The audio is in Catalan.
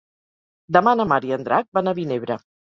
Demà na Mar i en Drac van a Vinebre.